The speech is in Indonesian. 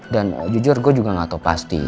dan jujur gue juga gak tau pasti